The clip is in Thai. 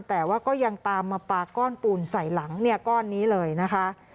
แต่ว่าก็ยังตามมาปาก้อนปูนใส่หลังเนี่ยก้อนนี้เลยนะคะ